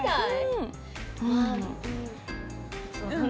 うん。